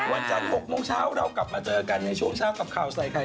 วันจันทร์๖โมงเช้าเรากลับมาเจอกันในช่วงเช้ากับข่าวใส่ไข่